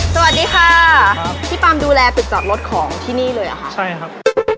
สวัสดีค่ะครับพี่ปั๊มดูแลตึกจอดรถของที่นี่เลยเหรอคะใช่ครับ